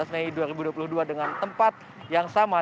tujuh belas mei dua ribu dua puluh dua dengan tempat yang sama